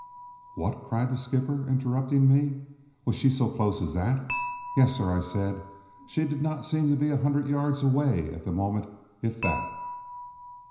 "What!" cried the skipper, interrupting me. "Was she so close as that?" "Yes, sir," said I. "She did not seem to be a hundred yards away at the moment, if that."